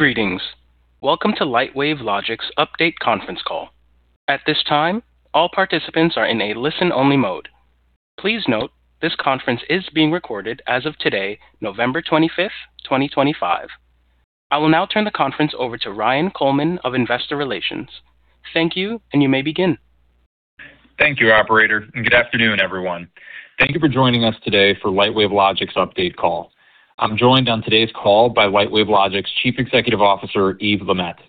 Greetings. Welcome to Lightwave Logic's update conference call. At this time, all participants are in a listen-only mode. Please note this conference is being recorded as of today, November 25th, 2025. I will now turn the conference over to Ryan Coleman of Investor Relations. Thank you, and you may begin. Thank you, Operator, and good afternoon, everyone. Thank you for joining us today for Lightwave Logic's update call. I'm joined on today's call by Lightwave Logic's Chief Executive Officer, Yves LeMaitre.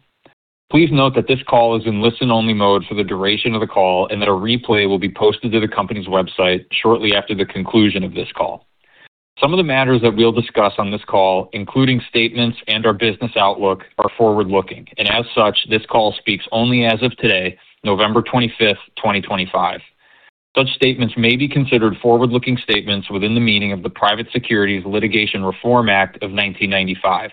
Please note that this call is in listen-only mode for the duration of the call and that a replay will be posted to the company's website shortly after the conclusion of this call. Some of the matters that we'll discuss on this call, including statements and our business outlook, are forward-looking, and as such, this call speaks only as of today, November 25, 2025. Such statements may be considered forward-looking statements within the meaning of the Private Securities Litigation Reform Act of 1995.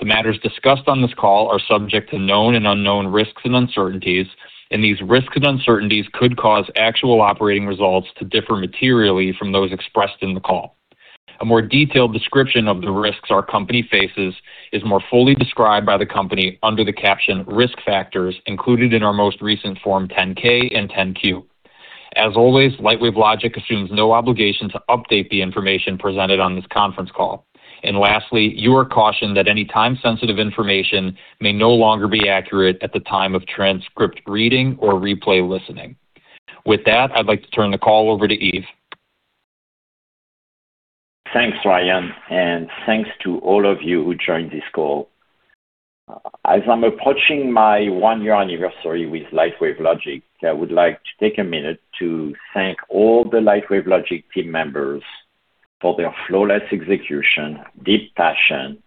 The matters discussed on this call are subject to known and unknown risks and uncertainties, and these risks and uncertainties could cause actual operating results to differ materially from those expressed in the call. A more detailed description of the risks our company faces is more fully described by the company under the caption "Risk Factors" included in our most recent Form 10-K and 10-Q. As always, Lightwave Logic assumes no obligation to update the information presented on this conference call. Lastly, you are cautioned that any time-sensitive information may no longer be accurate at the time of transcript reading or replay listening. With that, I'd like to turn the call over to Yves. Thanks, Ryan, and thanks to all of you who joined this call. As I'm approaching my one-year anniversary with Lightwave Logic, I would like to take a minute to thank all the Lightwave Logic team members for their flawless execution, deep passion,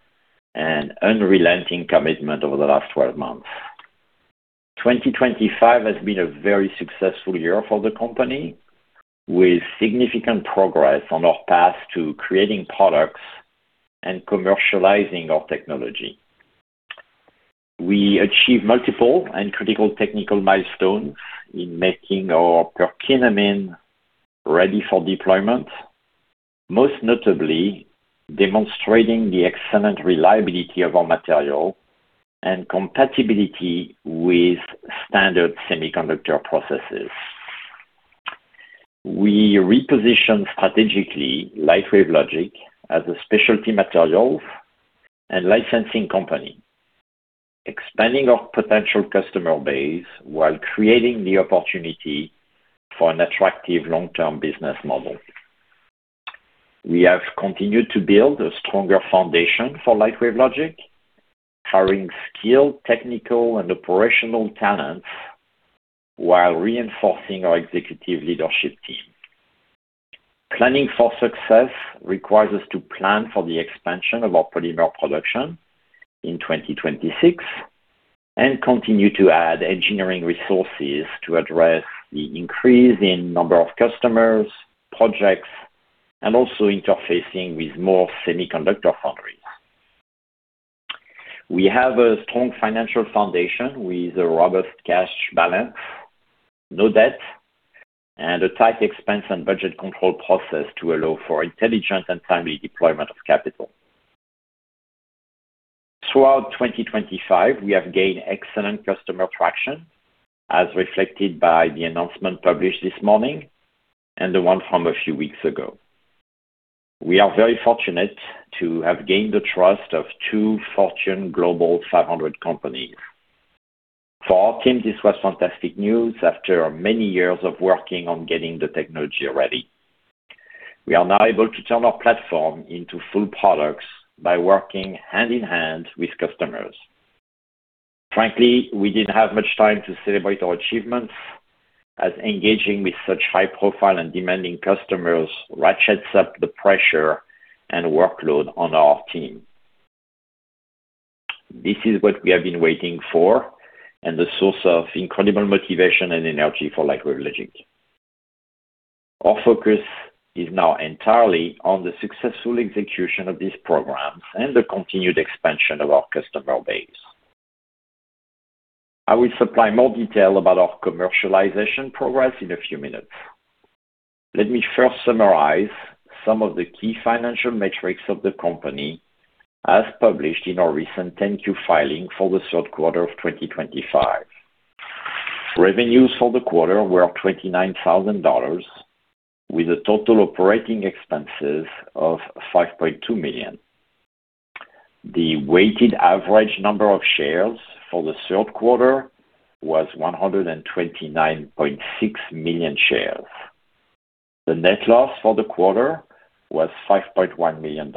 and unrelenting commitment over the last 12 months. 2025 has been a very successful year for the company, with significant progress on our path to creating products and commercializing our technology. We achieved multiple and critical technical milestones in making our Perkinamine ready for deployment, most notably demonstrating the excellent reliability of our material and compatibility with standard semiconductor processes. We repositioned strategically Lightwave Logic as a specialty materials and licensing company, expanding our potential customer base while creating the opportunity for an attractive long-term business model. We have continued to build a stronger foundation for Lightwave Logic, hiring skilled technical and operational talents while reinforcing our executive leadership team. Planning for success requires us to plan for the expansion of our polymer production in 2026 and continue to add engineering resources to address the increase in number of customers, projects, and also interfacing with more semiconductor foundries. We have a strong financial foundation with a robust cash balance, no debt, and a tight expense and budget control process to allow for intelligent and timely deployment of capital. Throughout 2025, we have gained excellent customer traction, as reflected by the announcement published this morning and the one from a few weeks ago. We are very fortunate to have gained the trust of two Fortune Global 500 companies. For our team, this was fantastic news after many years of working on getting the technology ready. We are now able to turn our platform into full products by working hand in hand with customers. Frankly, we did not have much time to celebrate our achievements, as engaging with such high-profile and demanding customers ratchets up the pressure and workload on our team. This is what we have been waiting for and the source of incredible motivation and energy for Lightwave Logic. Our focus is now entirely on the successful execution of these programs and the continued expansion of our customer base. I will supply more detail about our commercialization progress in a few minutes. Let me first summarize some of the key financial metrics of the company as published in our recent 10-Q filing for the third quarter of 2025. Revenues for the quarter were $29,000, with total operating expenses of $5.2 million. The weighted average number of shares for the third quarter was 129.6 million shares. The net loss for the quarter was $5.1 million,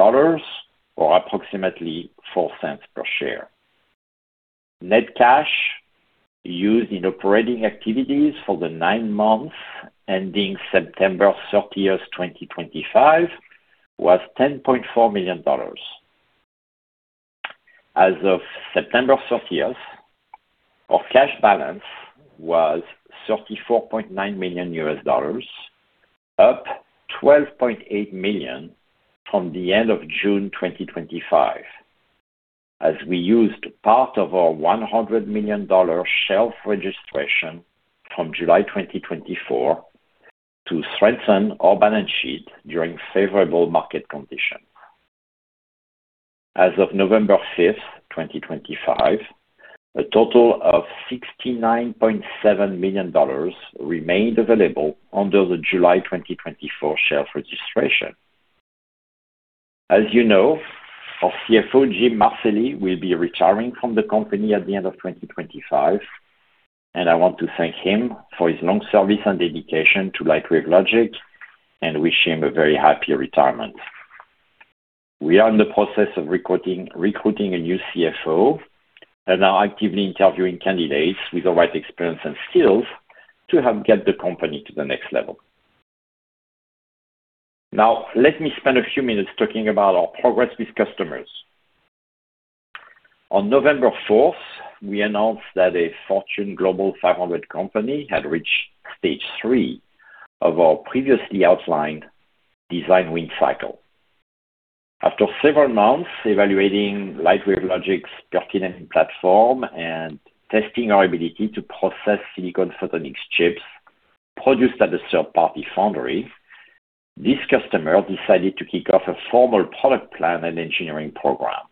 or approximately $0.04 per share. Net cash used in operating activities for the nine months ending September 30, 2025, was $10.4 million. As of September 30, our cash balance was $34.9 million, up $12.8 million from the end of June 2025, as we used part of our $100 million shelf registration from July 2024 to strengthen our balance sheet during favorable market conditions. As of November 5, 2025, a total of $69.7 million remained available under the July 2024 shelf registration. As you know, our CFO, Jim Marcelli, will be retiring from the company at the end of 2025, and I want to thank him for his long service and dedication to Lightwave Logic and wish him a very happy retirement. We are in the process of recruiting a new CFO and are actively interviewing candidates with the right experience and skills to help get the company to the next level. Now, let me spend a few minutes talking about our progress with customers. On November 4th, we announced that a Fortune Global 500 company had reached stage three of our previously outlined design win cycle. After several months evaluating Lightwave Logic's Perkinamine platform and testing our ability to process silicon photonics chips produced at the third-party foundry, this customer decided to kick off a formal product plan and engineering program.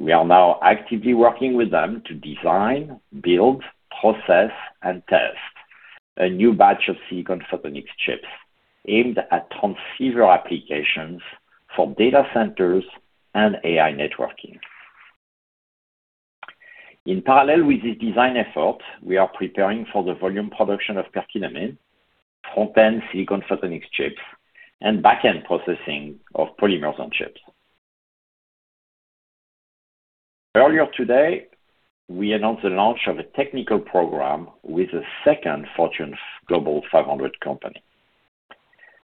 We are now actively working with them to design, build, process, and test a new batch of silicon photonics chips aimed at transceiver applications for data centers and AI networking. In parallel with this design effort, we are preparing for the volume production of Perkinamine, front-end silicon photonics chips, and back-end processing of polymers and chips. Earlier today, we announced the launch of a technical program with the second Fortune Global 500 company.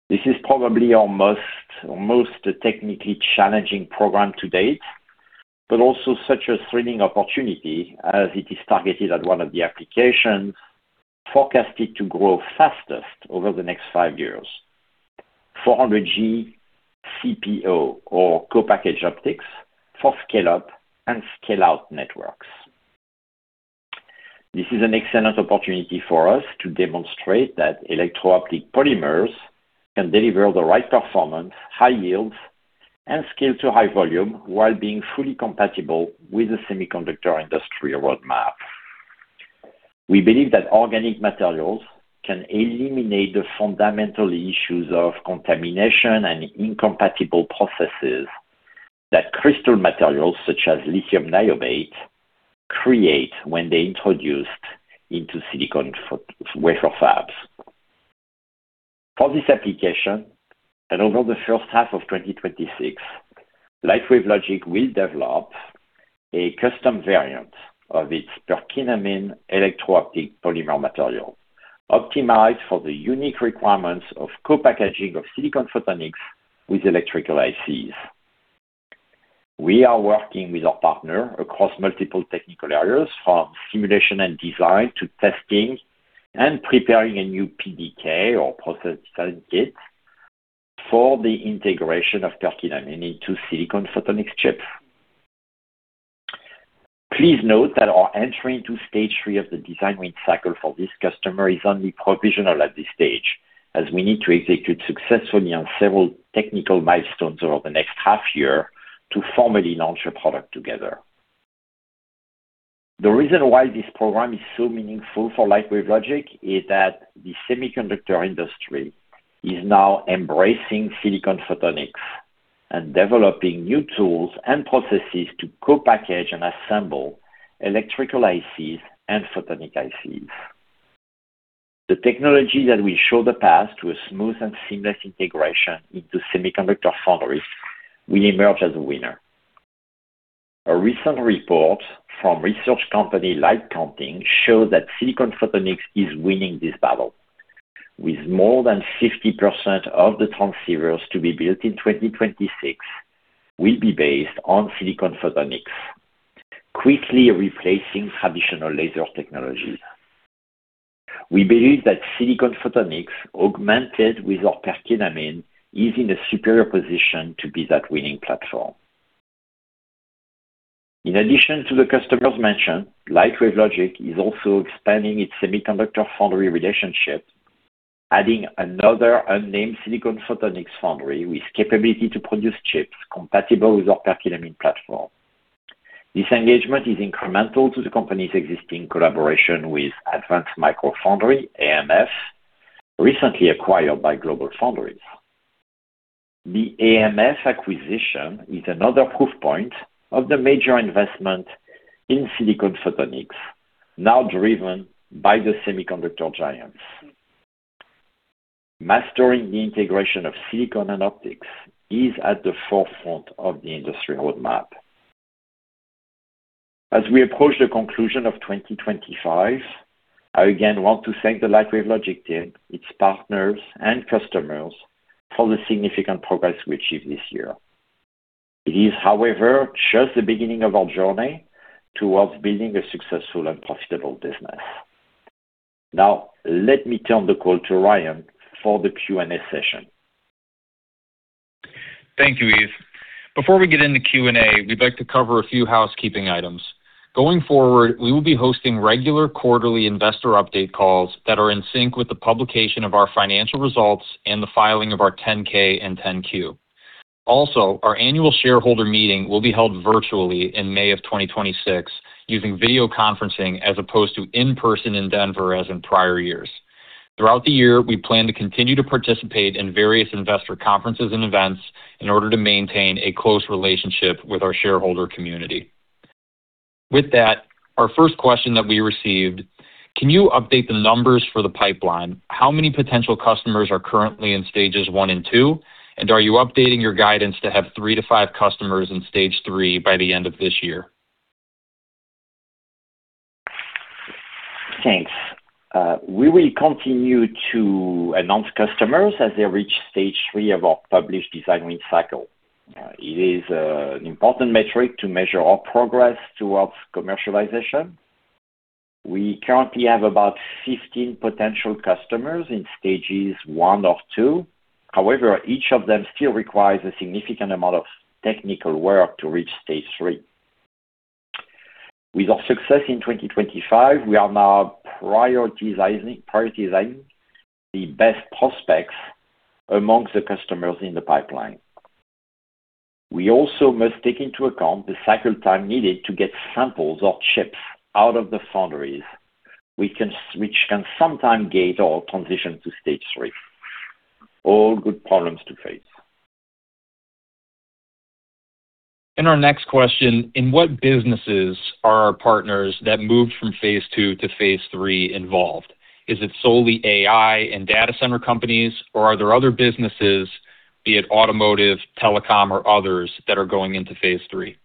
This is probably our most technically challenging program to date, but also such a thrilling opportunity as it is targeted at one of the applications forecasted to grow fastest over the next five years: 400G CPO, or Co-Package Optics, for scale-up and scale-out networks. This is an excellent opportunity for us to demonstrate that electro-optic polymers can deliver the right performance, high yields, and scale to high volume while being fully compatible with the semiconductor industry roadmap. We believe that organic materials can eliminate the fundamental issues of contamination and incompatible processes that crystal materials such as lithium niobate create when they're introduced into silicon wafer fabs. For this application, and over the first half of 2026, Lightwave Logic will develop a custom variant of its Perkinamine electro-optic polymer material optimized for the unique requirements of co-packaging of silicon photonics with electrical ICs. We are working with our partner across multiple technical areas, from simulation and design to testing and preparing a new PDK, or process design kit, for the integration of Perkinamine into silicon photonics chips. Please note that our entry into stage three of the design win cycle for this customer is only provisional at this stage, as we need to execute successfully on several technical milestones over the next half year to formally launch a product together. The reason why this program is so meaningful for Lightwave Logic is that the semiconductor industry is now embracing silicon photonics and developing new tools and processes to co-package and assemble electrical ICs and photonic ICs. The technology that will show the path to a smooth and seamless integration into semiconductor foundries will emerge as a winner. A recent report from research company LightCounting showed that silicon photonics is winning this battle, with more than 50% of the transceivers to be built in 2026 will be based on silicon photonics, quickly replacing traditional laser technologies. We believe that silicon photonics, augmented with our Perkinamine, is in a superior position to be that winning platform. In addition to the customer's mention, Lightwave Logic is also expanding its semiconductor foundry relationship, adding another unnamed silicon photonics foundry with the capability to produce chips compatible with our Perkinamine platform. This engagement is incremental to the company's existing collaboration with Advanced Micro Foundry, AMF, recently acquired by Global Foundries. The AMF acquisition is another proof point of the major investment in silicon photonics, now driven by the semiconductor giants. Mastering the integration of silicon and optics is at the forefront of the industry roadmap. As we approach the conclusion of 2025, I again want to thank the Lightwave Logic team, its partners, and customers for the significant progress we achieved this year. It is, however, just the beginning of our journey towards building a successful and profitable business. Now, let me turn the call to Ryan for the Q&A session. Thank you, Yves. Before we get into Q&A, we'd like to cover a few housekeeping items. Going forward, we will be hosting regular quarterly investor update calls that are in sync with the publication of our financial results and the filing of our 10-K and 10-Q. Also, our annual shareholder meeting will be held virtually in May of 2026, using video conferencing as opposed to in-person in Denver as in prior years. Throughout the year, we plan to continue to participate in various investor conferences and events in order to maintain a close relationship with our shareholder community. With that, our first question that we received: Can you update the numbers for the pipeline? How many potential customers are currently in stages one and two? Are you updating your guidance to have three to five customers in stage three by the end of this year? Thanks. We will continue to announce customers as they reach stage three of our published design win cycle. It is an important metric to measure our progress towards commercialization. We currently have about 15 potential customers in stages one or two. However, each of them still requires a significant amount of technical work to reach stage three. With our success in 2025, we are now prioritizing the best prospects amongst the customers in the pipeline. We also must take into account the cycle time needed to get samples or chips out of the foundries, which can sometimes gate our transition to stage three. All good problems to face. Our next question: In what businesses are our partners that moved from phase II to phase three involved? Is it solely AI and data center companies, or are there other businesses, be it automotive, telecom, or others, that are going into phase three?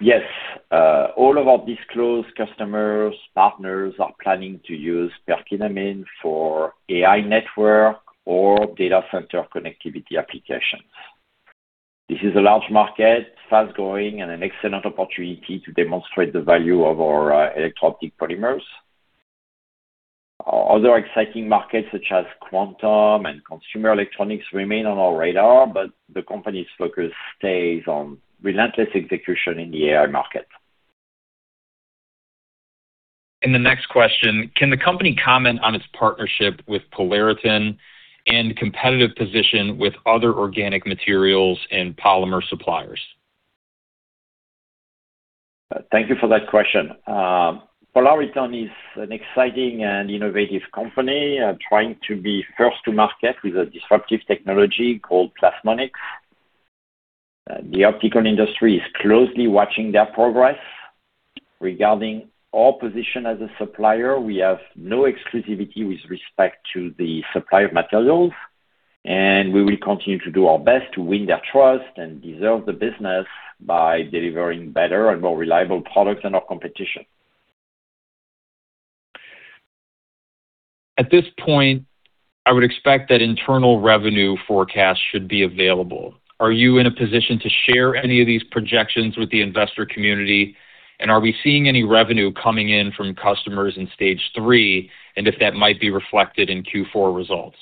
Yes. All of our disclosed customers' partners are planning to use Perkinamine for AI network or data center connectivity applications. This is a large market, fast-growing, and an excellent opportunity to demonstrate the value of our electro-optic polymers. Other exciting markets, such as quantum and consumer electronics, remain on our radar, but the company's focus stays on relentless execution in the AI market. The next question: Can the company comment on its partnership with Polariton and competitive position with other organic materials and polymer suppliers? Thank you for that question. Polariton is an exciting and innovative company trying to be first to market with a disruptive technology called Plasmonics. The optical industry is closely watching their progress. Regarding our position as a supplier, we have no exclusivity with respect to the supply of materials, and we will continue to do our best to win their trust and deserve the business by delivering better and more reliable products than our competition. At this point, I would expect that internal revenue forecast should be available. Are you in a position to share any of these projections with the investor community, and are we seeing any revenue coming in from customers in stage three, and if that might be reflected in Q4 results?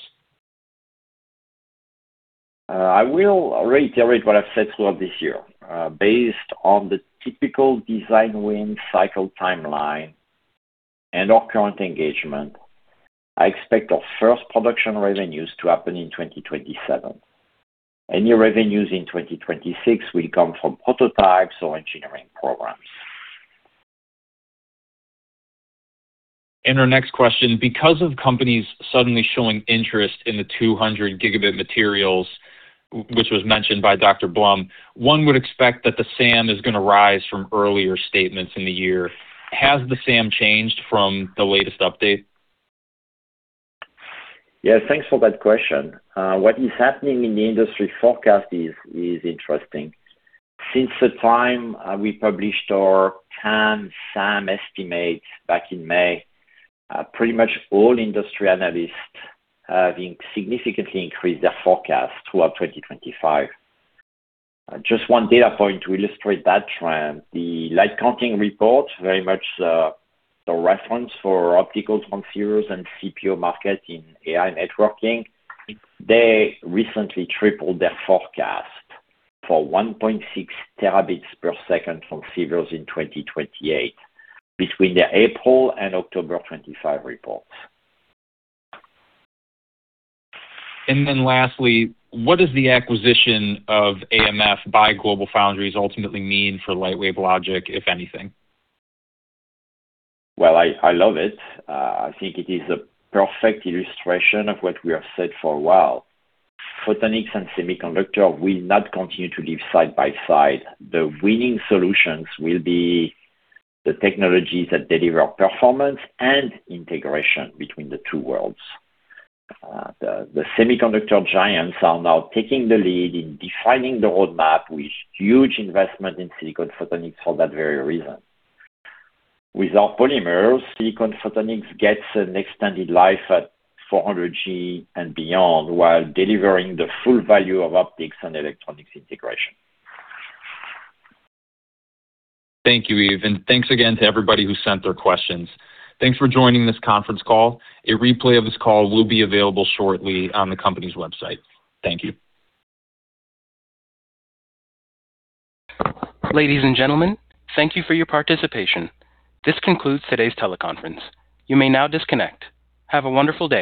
I will rate everything that I've said throughout this year. Based on the typical design win cycle timeline and our current engagement, I expect our first production revenues to happen in 2027. Any revenues in 2026 will come from prototypes or engineering programs. Our next question: Because of companies suddenly showing interest in the 200-gigabit materials, which was mentioned by Dr. Blum, one would expect that the SAM is going to rise from earlier statements in the year. Has the SAM changed from the latest update? Yes, thanks for that question. What is happening in the industry forecast is interesting. Since the time we published our can SAM estimates back in May, pretty much all industry analysts have significantly increased their forecast throughout 2025. Just one data point to illustrate that trend: the Light Counting report, very much the reference for optical transceivers and CPO market in AI networking, they recently tripled their forecast for 1.6 terabits per second transceivers in 2028 between their April and October 2025 reports. Lastly, what does the acquisition of Advanced Micro Foundry by Global Foundries ultimately mean for Lightwave Logic, if anything? I love it. I think it is a perfect illustration of what we have said for a while. Photonics and semiconductor will not continue to live side by side. The winning solutions will be the technologies that deliver performance and integration between the two worlds. The semiconductor giants are now taking the lead in defining the roadmap with huge investment in silicon photonics for that very reason. With our polymers, silicon photonics gets an extended life at 400G and beyond while delivering the full value of optics and electronics integration. Thank you, Yves. Thank you again to everybody who sent their questions. Thank you for joining this conference call. A replay of this call will be available shortly on the company's website. Thank you. Ladies and gentlemen, thank you for your participation. This concludes today's teleconference. You may now disconnect. Have a wonderful day.